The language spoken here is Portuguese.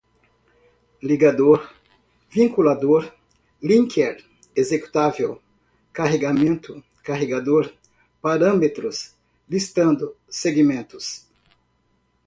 ligador, vinculador, linker, executável, carregamento, carregador, parâmetros, listando, segmentos